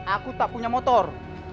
aku tak punya motor